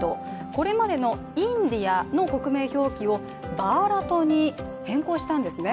これまでのインディアの国名表記をバーラトに変更したんですね。